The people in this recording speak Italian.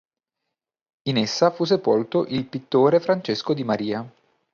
In essa fu sepolto il pittore Francesco Di Maria.